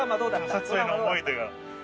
撮影の思い出が。